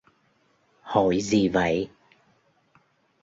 Hội gì vậy